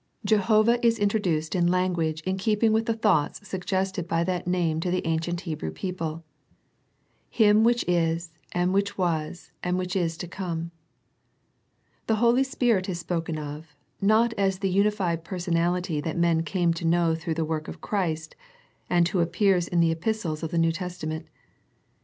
Jehovah is introduced in language in keeping with the thoughts suggested by that name to the ancient Hebrew people, " Him which is and which was and which is to come." The Holy Spirit is spoken of, not as the unified personality that men came to know through the work of Christ, and Who appears in the Epistles of the New Testament.